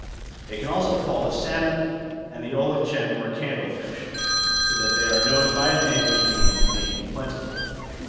They can also call the salmon and the olachen or candle fish, and so they are known by a name which means "making plentiful."